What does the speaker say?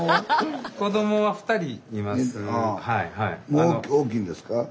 もう大きいんですか？